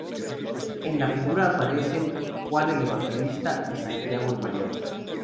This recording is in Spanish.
En la figura aparecen Juan el Evangelista y Santiago el Mayor.